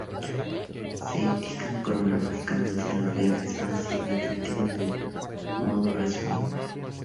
Se indican cronológicamente los viajes más significativos de modo resumido.